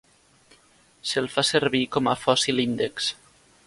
Se'l fa servir com a fòssil índex.